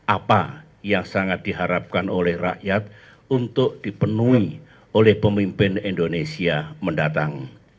apa yang sangat diharapkan oleh rakyat untuk dipenuhi oleh pemimpin indonesia mendatang